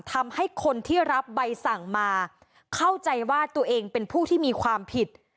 ทำให้คนที่รับใบสั่งมาเข้าใจว่าตัวเองเป็นผู้ที่มีความผิด